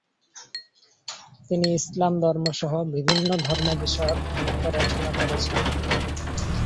তিনি ইসলাম ধর্ম সহ বিভিন্ন ধর্ম বিষয়ক গ্রন্থ রচনা করেছেন।